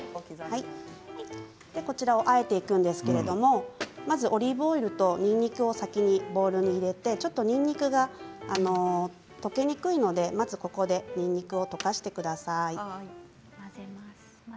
こちらをあえていくんですけどオリーブオイルとにんにくを先にボウルに入れてちょっとにんにくが溶けにくいのでにんにくを溶かしてください。